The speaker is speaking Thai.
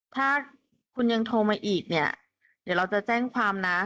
ถ้าคุณยังโทรมาอีกเนี่ยเดี๋ยวเราจะแจ้งความนะ